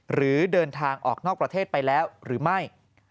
หรือเดินทางออกนอกประเทศไปแล้วหรือไม่